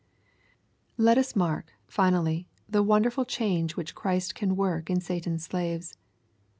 Let U8 mark, finally, the wonderful change which Christ can work in Satan^s slaves.